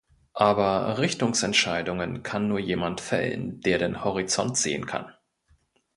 Aber Richtungsentscheidungen kann nur jemand fällen, der den Horizont sehen kann.